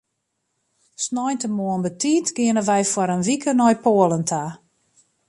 Sneintemoarn betiid geane wy foar in wike nei Poalen ta.